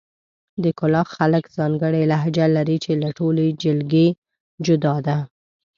د کلاخ خلک ځانګړې لهجه لري، چې له ټولې جلګې جدا ده.